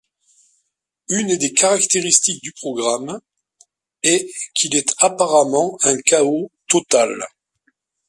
Une des caractéristiques du programme est qu'il est apparemment un chaos total.